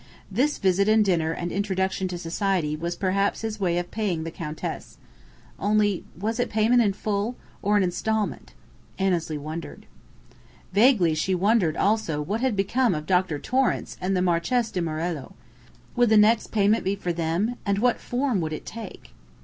This visit and dinner and introduction to society was perhaps his way of paying the Countess. Only was it payment in full, or an instalment? Annesley wondered. Vaguely she wondered also what had become of Dr. Torrance and the Marchese di Morello. Would the next payment be for them, and what form would it take?